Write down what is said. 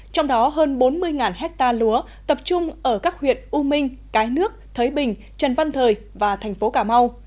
trong đó hơn bốn mươi hectare lúa tập trung ở các huyện u minh cái nước thới bình trần văn thời và thành phố cà mau